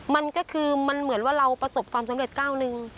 มันก็คือมันเหมือนว่าเราประสบความสำเร็จก้าวหนึ่ง